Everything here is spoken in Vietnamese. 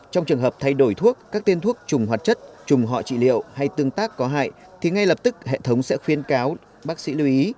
trong trường hợp thay đổi thuốc các tiên thuốc trùng hoạt chất trùng họ trị liệu hay tương tác có hại thì ngay lập tức hệ thống sẽ khuyên cáo bác sĩ lưu ý